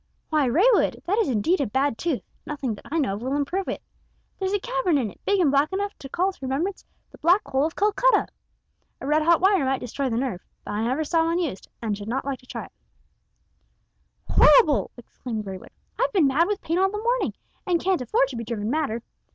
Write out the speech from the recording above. "Why, Raywood, that is indeed a bad tooth; nothing that I know of will improve it. There's a cavern in it big and black enough to call to remembrance the Black Hole of Calcutta! A red hot wire might destroy the nerve, but I never saw one used, and should not like to try it." "Horrible!" exclaimed Raywood. "I've been mad with pain all the morning, and can't afford to be driven madder.